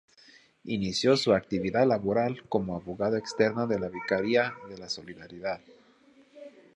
Inició su actividad laboral como abogada externa de la Vicaría de la Solidaridad.